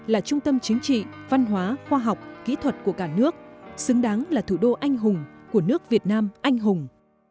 là trung tâm chính trị văn hóa khoa học kỹ thuật của cả nước xứng đáng là thủ đô anh hùng của nước việt nam anh hùng